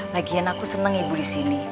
bagian aku senang ibu di sini